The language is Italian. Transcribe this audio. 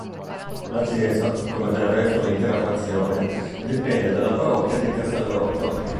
La chiesa, come del resto l'intera frazione, dipende dalla parrocchia di Castelrotto.